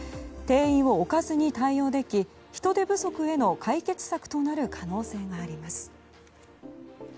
店員を置かずに対応でき人手不足の解決策となる可能性があります。